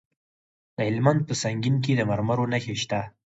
د هلمند په سنګین کې د مرمرو نښې شته.